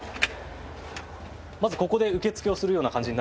まずここで受け付けをするような感じになるんですね。